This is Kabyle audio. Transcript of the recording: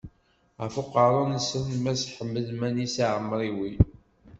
Ɣef uqerruy-nsen mass Ḥmed Manis Ɛemriwi.